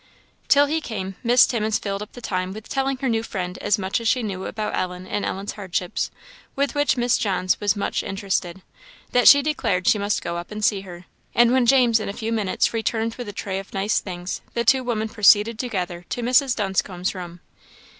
Till he came, Miss Timmins filled up the time with telling her new friend as much as she knew about Ellen and Ellen's hardships; with which Miss Johns was so much interested, that she declared she must go up and see her; and when James in a few minutes returned with a tray of nice things, the two women proceeded together to Mrs. Dunscombe's room.